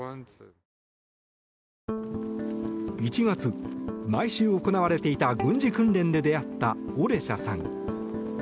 １月、毎週行われていた軍事訓練で出会ったオレシャさん。